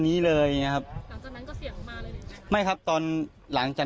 นี้เลยนะครับหลังจากนั้นก็เสียงมาเลยไม่ครับตอนหลังจาก